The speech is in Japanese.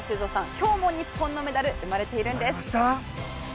今日も日本のメダル生まれているんです。